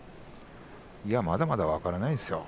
いや、まだまだ分からないですよ